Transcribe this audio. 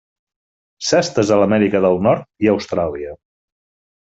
S'ha estès a l'Amèrica del Nord i Austràlia.